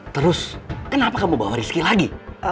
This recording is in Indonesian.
terus kenapa kamu bawa rizki lagi